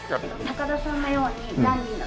高田さんのようにダンディーなところです。